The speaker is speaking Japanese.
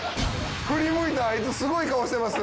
振り向いたあいつすごい顔してます。